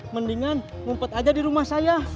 mendingan ngumpet aja di rumah saya